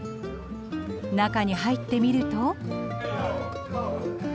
中に入ってみると。